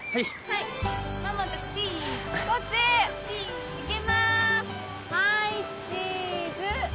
はいチーズ！